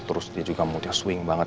terus dia juga swing banget